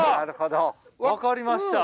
分かりました？